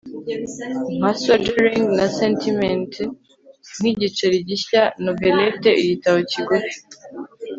Nka swaggering na sentimenti nkigiceri gishya novellete igitabo kigufi